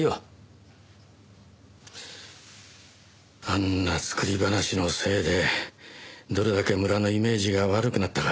あんな作り話のせいでどれだけ村のイメージが悪くなったか。